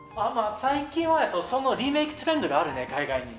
最近はそのリメイクトレンドがあるね海外に。